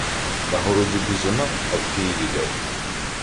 На городі бузина, а в Києві дядько.